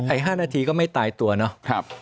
๕นาทีก็ไม่ตายตัวเนาะ